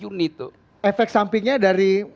unit tuh efek sampingnya dari